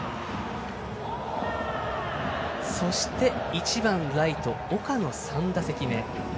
１番ライト・岡の３打席目。